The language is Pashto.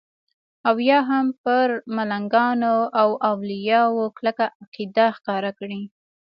او یا هم پر ملنګانو او اولیاو کلکه عقیده ښکاره کړي.